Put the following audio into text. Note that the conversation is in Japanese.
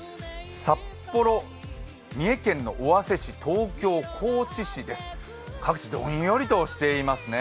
札幌、三重県の尾鷲市、東京、高知市です、各地、どんよりとしていますね。